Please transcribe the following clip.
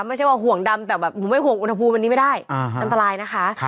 ไม่ใช่ว่าห่วงดำแต่แบบหนูไม่ห่วงอุณหภูมิวันนี้ไม่ได้อันตรายนะคะ